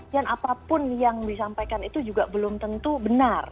dan apapun yang disampaikan itu juga belum tentu benar